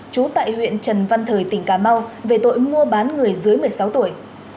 trú tại huyện trần văn thời tỉnh cà mau về tội mua bán người dưới một mươi sáu tuổi